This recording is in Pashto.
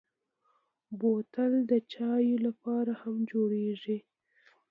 بوتل د چايو لپاره هم جوړېږي.